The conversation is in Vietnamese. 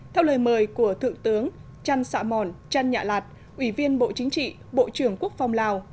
theo lời mời của thượng tướng trăn xạ mòn trăn nhạ lạt ủy viên bộ chính trị bộ trưởng quốc phòng lào